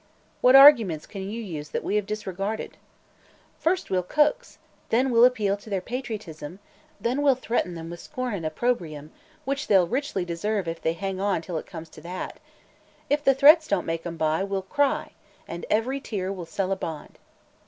"What arguments can you use that we have disregarded?" "First, we'll coax; then we'll appeal to their patriotism; then we'll threaten them with scorn and opprobrium, which they'll richly deserve if they hang on till it comes to that. If the threats don't make 'em buy, we'll cry and every tear will sell a bond!"